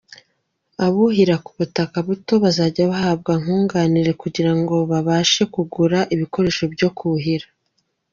Abuhira ku butaka buto bazajya bahabwa nkunganire kugira ngo babashe kugura ibikoresho byo kuhira.